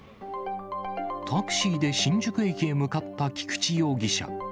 タクシーで新宿駅へ向かった菊池容疑者。